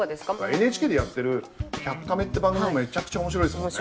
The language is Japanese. ＮＨＫでやってる「１００カメ」って番組もめちゃくちゃ面白いですもんね。